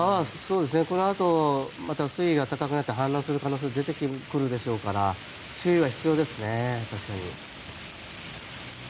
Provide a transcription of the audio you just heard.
このあとまた水位が高くなって氾濫する危険性が出てくるでしょうから注意が必要ですね。